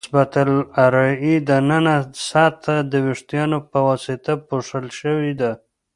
قصبة الریې د ننه سطحه د وېښتانو په واسطه پوښل شوې ده.